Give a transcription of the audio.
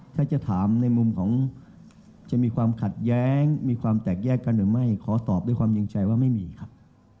ถ้าจะถามในมุมของจะมีความขัดแย้งมีความแตกแยกกันหรือไม่ขอตอบด้วยความจริงใจว่าไม่มีครับ